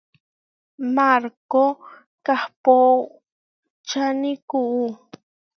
Markó kahpóčani kuú.